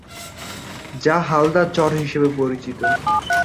যা হালদা চর হিসাবে পরিচিত।